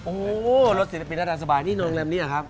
โอ้โหรถศิลปินทะดานสบายนี่รอนดรรมนี้หรอครับ